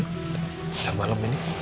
udah malam ini